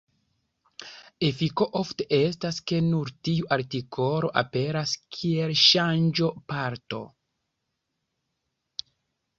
Efiko ofte estas, ke nur tiu artikolo aperas kiel ŝanĝo-parto.